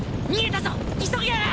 見えたぞ急げ！